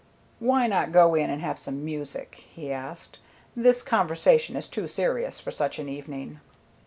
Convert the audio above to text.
"Why not go in and have some music?" he asked. "This conversation is too serious for such an evening."